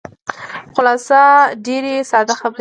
خلاصه ډېرې ساده خبرې.